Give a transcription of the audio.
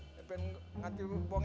tapi nggak disulupin ya